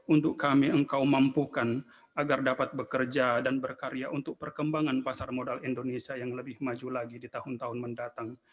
untuk kami engkau mampukan agar dapat bekerja dan berkarya untuk perkembangan pasar modal indonesia yang lebih maju lagi di tahun tahun mendatang